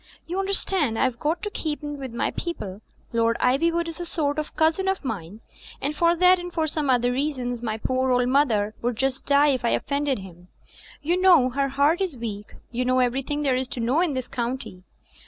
You understand I've got to keep in with my people. Lord Ivywood is a sort of cousin of mine, and for that and some other reasons, my poor old mother would just die if I offended him. You know her heart is weak; you know everything there is to know in this county.